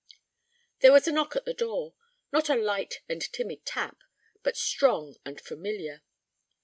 There was a knock at the door; not a light and timid tap, but strong and familiar.